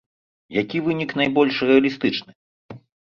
Які вынік найбольш рэалістычны?